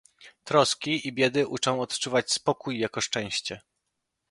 "Troski i biedy uczą odczuwać spokój jako szczęście."